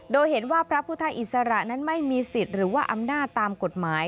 โดยเห็นว่าพระพุทธอิสระนั้นไม่มีสิทธิ์หรือว่าอำนาจตามกฎหมาย